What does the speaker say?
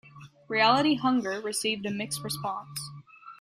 "Reality Hunger" received a mixed response.